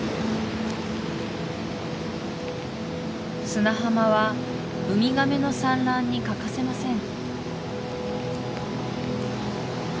砂浜はウミガメの産卵に欠かせません